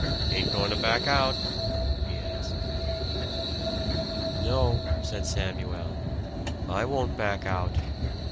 "Ain't going to back out?" he asked. "No," said Samuel. "I won't back out!